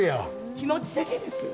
気持ちだけです。